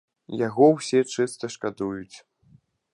Яго ўсе чыста шкадуюць.